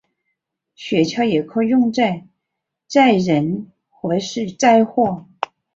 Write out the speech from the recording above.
雪橇也可用在载人或是载货。